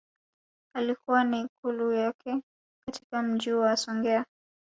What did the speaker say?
Alikuwa na Ikulu yake katika Mji wa Songea